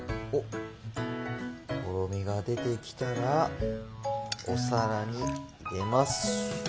とろみが出てきたらお皿に入れます。